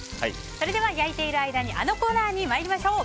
それでは、焼いている間にあのコーナーに参りましょう。